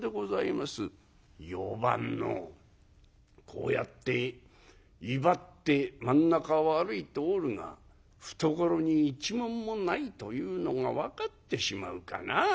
こうやって威張って真ん中を歩いておるが懐に一文もないというのが分かってしまうかな。